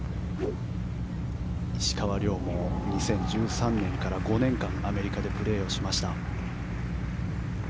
石川遼も２０１３年から５年間アメリカでプレーしました。